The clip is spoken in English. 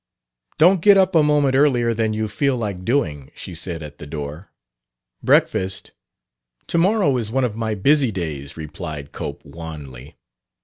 "Don't get up a moment earlier than you feel like doing," she said, at the door. "Breakfast " "To morrow is one of my busy days," replied Cope wanly.